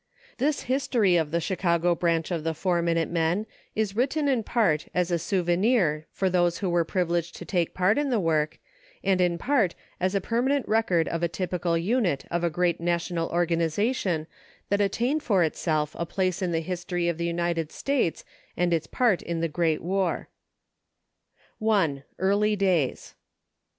This history of the Chicago branch of the Four Min ute Men is written in part as a souvenir for those who were privileged to take part in the work, and in part as a permanent record of a typical unit of a great national organization that attained for itself a place in the history of the United States and its part in the great war. I. EARLY DAYS.